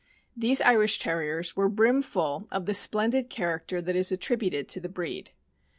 These Irish Ter riers were brimful of the splendid character that is attributed to the breed.